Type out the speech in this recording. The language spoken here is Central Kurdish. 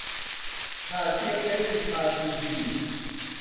خاسێ، کەوێ، خاتووزین